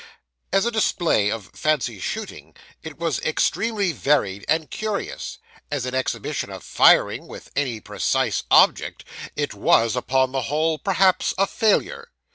As a display of fancy shooting, it was extremely varied and curious; as an exhibition of firing with any precise object, it was, upon the whole, perhaps a failure.